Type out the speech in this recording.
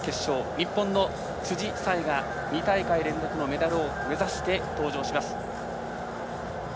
日本の辻沙絵が２大会連続のメダルを目指して登場します。